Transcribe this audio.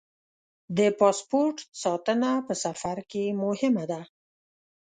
د پاسپورټ ساتنه په سفر کې مهمه ده.